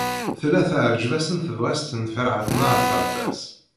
Tella teɛjeb-asen tebɣest n Ferḥat n At Ɛebbas.